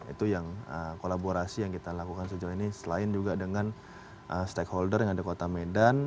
itu yang kolaborasi yang kita lakukan sejauh ini selain juga dengan stakeholder yang ada kota medan